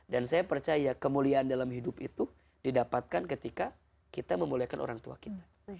dan saya percaya kemuliaan dalam hidup itu didapatkan ketika kita memuliakan orang tua kita